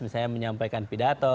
misalnya menyampaikan pidato